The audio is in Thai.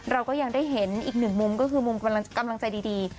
เราก็ยังได้เห็นอีกหนึ่งมุมก็คือมุมกำลังใจดี